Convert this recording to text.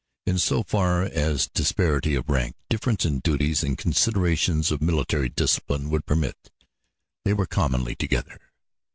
In so far as disparity of rank, difference in duties and considerations of military discipline would permit they were commonly together.